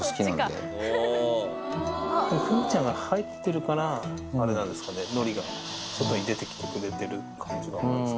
風ちゃんが入ってるから、あれなんですかね、のりが外に出てきてくれてる感じが？